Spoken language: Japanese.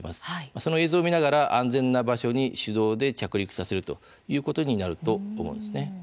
その映像を見ながら安全な場所に手動で着陸させるということになると思うんです。